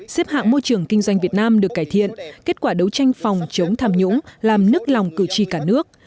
xếp hạng môi trường kinh doanh việt nam được cải thiện kết quả đấu tranh phòng chống tham nhũng làm nức lòng cử tri cả nước